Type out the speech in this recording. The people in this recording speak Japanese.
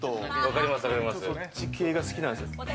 そっち系が好きなんですか。